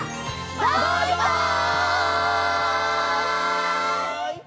バイバイ！